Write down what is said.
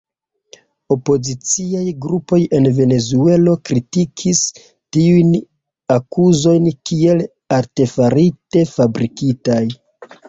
Opoziciaj grupoj en Venezuelo kritikis tiujn akuzojn kiel artefarite fabrikitaj.